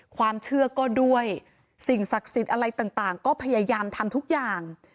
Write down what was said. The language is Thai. ความเชื่อก็ด้วยสิ่งศักดิ์สิทธิ์อะไรต่างก็พยายามทำทุกอย่าง